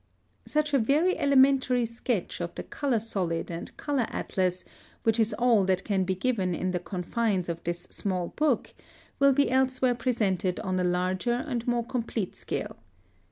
(129) Such a very elementary sketch of the Color Solid and Color Atlas, which is all that can be given in the confines of this small book, will be elsewhere presented on a larger and more complete scale.